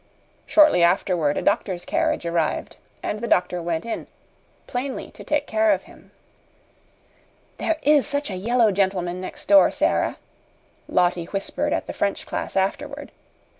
Shortly afterward a doctor's carriage arrived, and the doctor went in plainly to take care of him. "There is such a yellow gentleman next door, Sara," Lottie whispered at the French class afterward.